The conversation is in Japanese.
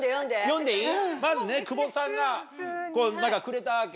読んでいい？